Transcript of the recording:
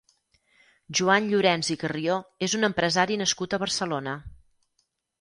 Joan Llorens i Carrió és un empresari nascut a Barcelona.